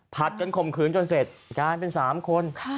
ผัดกันคมคืนจนเสร็จจบเป็น๓คน